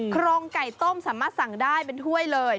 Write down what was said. โครงไก่ต้มสามารถสั่งได้เป็นถ้วยเลย